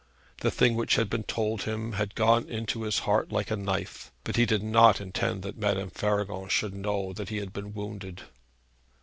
The thing which had been told him had gone into his heart like a knife; but he did not intend that Madame Faragon should know that he had been wounded.